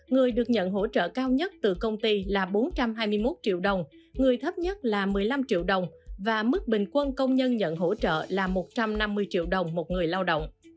người được nhận hỗ trợ cao nhất từ công ty là bốn trăm hai mươi một triệu đồng người thấp nhất là một mươi năm triệu đồng và mức bình quân công nhân nhận hỗ trợ là một trăm năm mươi triệu đồng một người lao động